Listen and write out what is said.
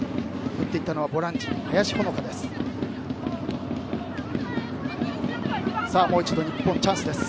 打っていったのはボランチの林穂之香です。